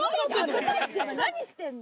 何してるの？